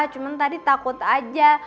cuma tadi takut aja